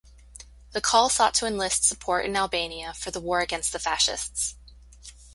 The call sought to enlist support in Albania for the war against the fascists.